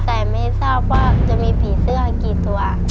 แต่ไม่ทราบว่าจะมีผีเสื้อกี่ตัว